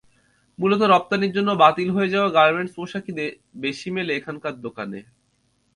মূলত রপ্তানির জন্য বাতিল হয়ে যাওয়া গার্মেন্টস পোশাকই বেশি মেলে এখানকার দোকানে।